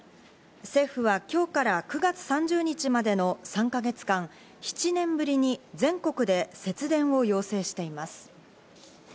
政府は今日から９月３０日までの３か月間、７年ぶりに全国で節電を要請しています。